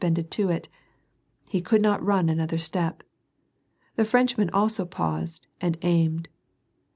pended to it. He could not run another step. The French man also paused, and aimed.